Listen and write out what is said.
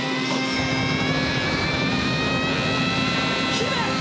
姫！